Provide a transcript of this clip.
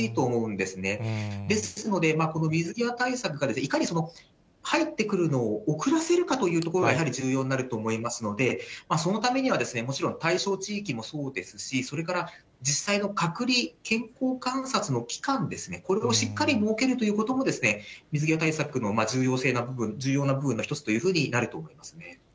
ですので、この水際対策がいかに入ってくるのを遅らせるかというところがやはり重要になると思いますので、そのためには、もちろん、対象地域もそうですし、それから実際の隔離、健康観察の期間ですね、これをしっかり設けるということも、水際対策の重要な部分の一つというふうになると思いますね。